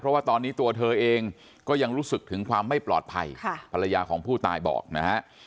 เพราะว่าตอนนี้ตัวเธอเองก็ยังรู้สึกถึงความไม่ปลอดภัยภรรยาของผู้ตายบอกนะฮะ